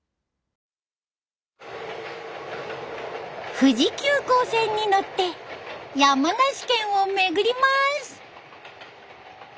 富士急行線に乗って山梨県を巡ります。